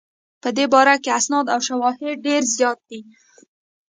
په دې باره کې اسناد او شواهد ډېر زیات دي.